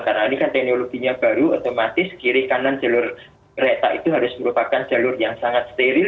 karena ini kan teknologinya baru otomatis kiri kanan jalur kereta itu harus merupakan jalur yang sangat steril